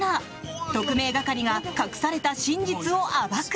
特命係が隠された真実を暴く！